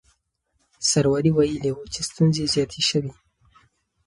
سروري ویلي وو چې ستونزې زیاتې شوې.